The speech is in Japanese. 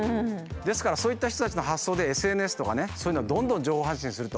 ですからそういった人たちの発想でＳＮＳとかねそういうのでどんどん情報発信すると。